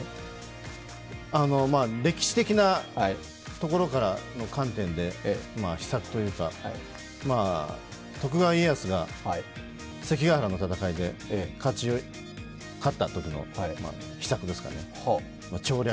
歴史的なところからの観点で、秘策というか、徳川家康が関ヶ原の戦いで勝ったときの秘策ですかね。